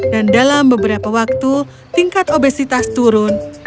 dan dalam beberapa waktu tingkat obesitas turun